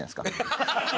ハハハハ！